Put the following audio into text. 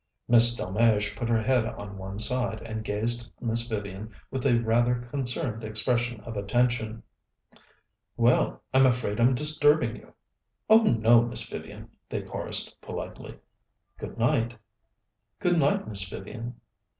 Miss Delmege put her head on one side, and gazed at Miss Vivian with a rather concerned expression of attention. "Well, I'm afraid I'm disturbing you." "Oh, no, Miss Vivian," they chorused politely. "Good night." "Good night, Miss Vivian."